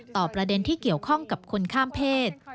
ประเด็นที่เกี่ยวข้องกับคนข้ามเพศ